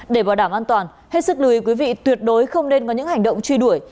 để bảo đảm an toàn hết sức lưu ý quý vị tuyệt đối không nên có những hành động truy đuổi